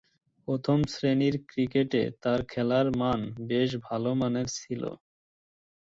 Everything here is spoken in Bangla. প্রথম-শ্রেণীর ক্রিকেটে তার খেলার মান বেশ ভালোমানের ছিল।